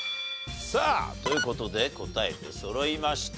さあという事で答え出そろいました。